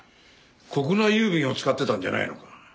国内郵便を使ってたんじゃないのか？